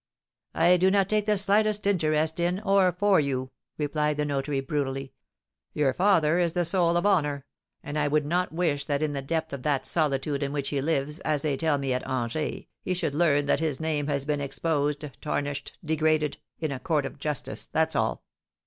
"I do not take the slightest interest in or for you," replied the notary, brutally. "Your father is the soul of honour, and I would not wish that in the depth of that solitude in which he lives, as they tell me, at Angers, he should learn that his name has been exposed, tarnished, degraded, in a court of justice, that's all."